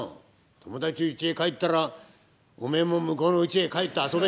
「友達家へ帰ったらお前も向こうの家へ帰って遊べ」。